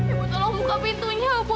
ibu tolong buka pintunya bu